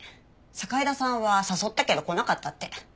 堺田さんは誘ったけど来なかったって。